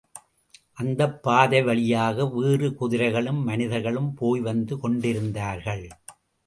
அந்தப் பாதை வழியாக வேறு குதிரைகளும் மனிதர்களும் போய் வந்து கொண்டிருந்தார்கள்.